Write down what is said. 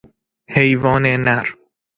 حیوان نر